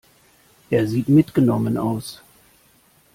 Er sieht mitgenommen aus.